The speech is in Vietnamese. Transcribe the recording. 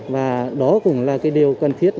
và đó cũng là điều cần thiết